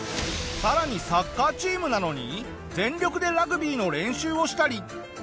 さらにサッカーチームなのに全力でラグビーの練習をしたり。